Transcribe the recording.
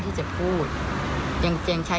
ที่สู้กับตอนนี้